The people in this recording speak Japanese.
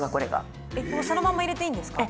そのまんま入れていいんですか？